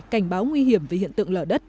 cảnh báo nguy hiểm về hiện tượng lở đất